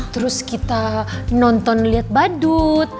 terus kita nonton lihat badut